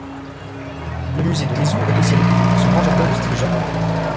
Le musée de Nezu est aussi réputé pour son grand jardin de style japonais.